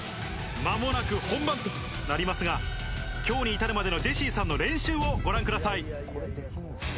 間もなく本番となりますが今日に至るまでのジェシーさんの練習をご覧ください。